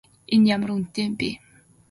Энэ ямар үнэтэй юм бэ?